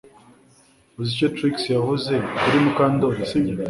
Uzi icyo Trix yavuze kuri Mukandoli sibyo